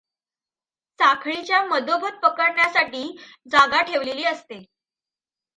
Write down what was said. साखळीच्या मधोमध पकडण्यासाठी जागा ठेवलेली असते.